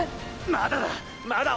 まだだ！